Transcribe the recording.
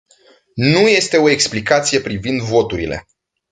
Nu este o explicație privind voturile.